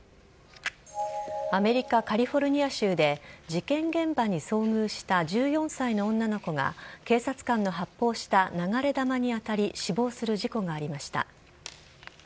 アメリカ・カリフォルニア州で、事件現場に遭遇した１４歳の女の子が、警察官の発砲した流れ弾に当たり、死亡する事故がありました。